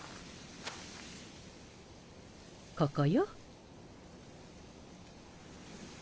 ここよ。